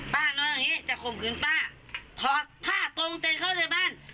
นอนอย่างงี้จะข่มขืนป้าถอดผ้าตรงเต็นเข้าในบ้าน